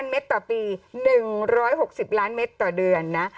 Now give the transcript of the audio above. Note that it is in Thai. เมตรต่อปี๑๖๐ล้านเมตรต่อเดือนนะ